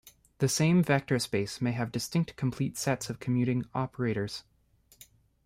The same vector space may have distinct complete sets of commuting operators.